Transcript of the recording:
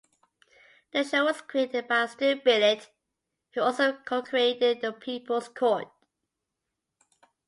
The show was created by Stu Billett, who also co-created "The People's Court".